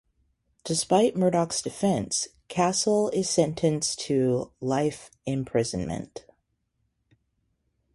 Despite Murdock's defense, Castle is sentenced to life imprisonment.